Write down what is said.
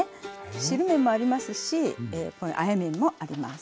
汁麺もありますしあえ麺もあります。